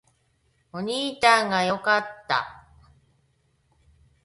お兄ちゃんが良かった